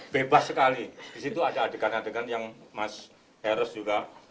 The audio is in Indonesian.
bebas sekali disitu ada adegan adegan yang mas heroes juga